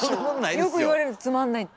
よく言われる「つまんない」って。